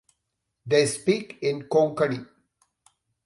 They speak in Konkani.